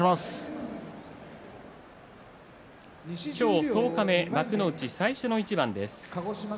今日十日目幕内最初の一番です。